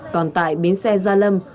còn tại bến xe gia lâm